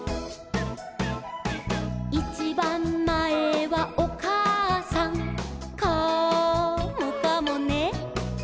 「いちばんまえはおかあさん」「カモかもね」